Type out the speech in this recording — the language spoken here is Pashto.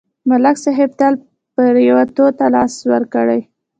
ملک صاحب تل پرېوتو ته لاس ورکړی.